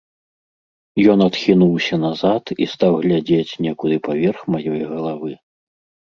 Ён адхінуўся назад і стаў глядзець некуды паверх маёй галавы.